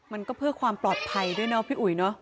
มันก็เพื่อความปลอดภัยด้วยเนาะพี่อุ๋ยเนอะ